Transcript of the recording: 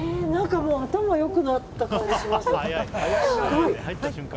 もう頭良くなった感じします。